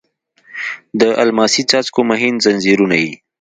د الماسې څاڅکو مهین ځنځیرونه یې